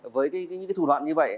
với những cái thủ đoạn như vậy